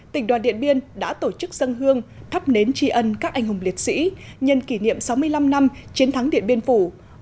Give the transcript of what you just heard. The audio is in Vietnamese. tỉnh đoàn điện biên đã tổ chức dân hương thắp nến tri ân các anh hùng liệt sĩ nhân kỷ niệm sáu mươi năm năm chiến thắng điện biên phủ